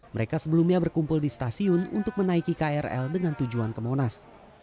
mereka sebelumnya berkumpul di stasiun untuk menaiki krl dengan tujuan ke monas